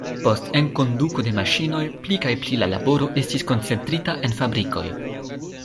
Post enkonduko de maŝinoj pli kaj pli la laboro estis koncentrita en fabrikoj.